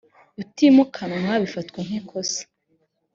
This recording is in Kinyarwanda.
utimukanwa bifatwa nk ikosa